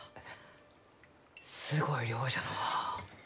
すごい量じゃのう。